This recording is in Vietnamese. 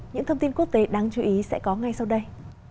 những thông tin quốc tế đáng chú ý sẽ có ngay sau đây